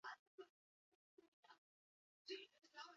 Lagunabarrak mutilaren liraintasuna txalotu zuen